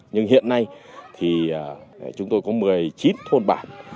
nhưng hiện nay thì chúng tôi có một mươi chín thôn bản